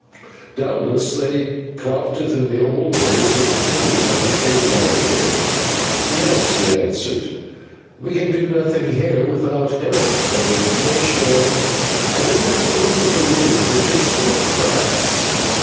Doubtless they propped it in the old days, but the timbers have decayed long ago." "Yes," he answered, "we can do nothing here without help, and, Ignatio, I don't like the look of the roof, it is full of cracks."